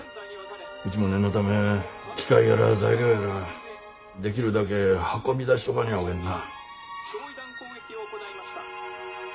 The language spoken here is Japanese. うちも念のため機械やら材料やらできるだけ運び出しとかにゃあおえんな。